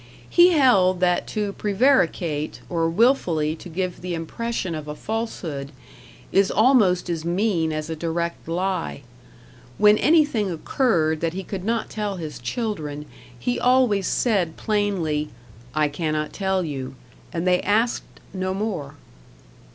He held that to prevaricate, or wilfully to give the impression of a falsehood, is almost as mean as a direct lie. When anything occurred that he could not tell his children, he always said plainly, "I cannot tell you," and they asked no more.